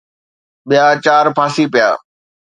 ٻيا چار ڦاسي پيا